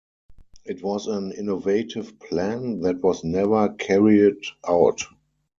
It was an innovative plan that was never carried out.